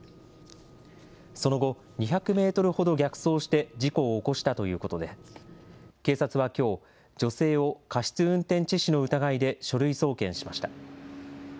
その後、２００メートルほど逆走して事故を起こしたということで、警察はきょう、女性を過失運転致死の疑いで書類送検しました。